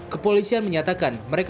kepolisian menyatakan mereka dipersiapkan